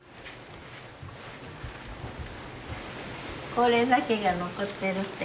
これだけが残ってるって。